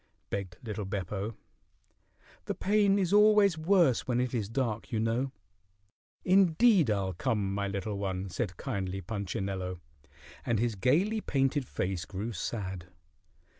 begged little Beppo. "The pain is always worse when it is dark, you know." "Indeed, I'll come, my little one," said kindly Punchinello, and his gayly painted face grew sad.